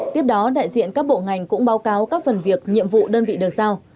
tiếp đó đại diện các bộ ngành cũng báo cáo các phần việc nhiệm vụ đơn vị được giao